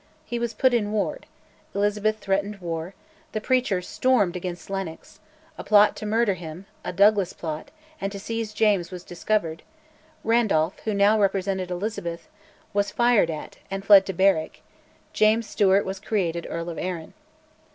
He was put in ward; Elizabeth threatened war; the preachers stormed against Lennox; a plot to murder him (a Douglas plot) and to seize James was discovered; Randolph, who now represented Elizabeth, was fired at, and fled to Berwick; James Stewart was created Earl of Arran.